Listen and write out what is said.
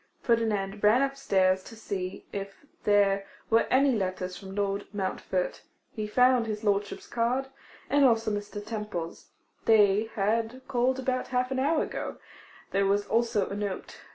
Ferdinand ran up stairs to see if there were any letter from Lord Montfort. He found his lordship's card, and also Mr. Temple's; they had called about half an hour ago; there was also a note.